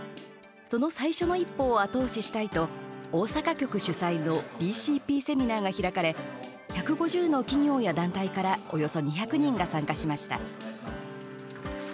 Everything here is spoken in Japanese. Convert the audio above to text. その最初の一歩を後押ししたいと大阪局主催のＢＣＰセミナーが開かれ１５０の企業や団体からおよそ２００人が参加しました。